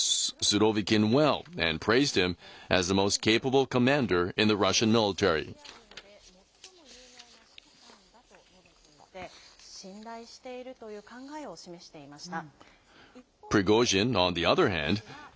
ロシア軍で最も有能な指揮官だと述べていて、信頼しているという考えを示していました。